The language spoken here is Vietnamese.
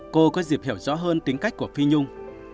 cô có dịp hiểu rõ hơn tính cách của phi nhung